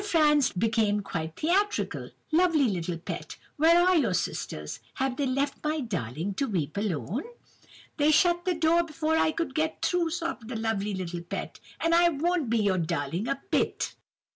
Franz became quite theatrical. 'Lovely little pet, where are your sisters? Have they left my darling to weep alone?' "'They shut the door before I could get through,' sobbed the lovely little pet; 'and I won't be your darling a bit!